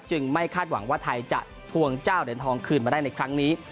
ไม่คาดหวังว่าไทยจะทวงเจ้าเหรียญทองคืนมาได้ในครั้งนี้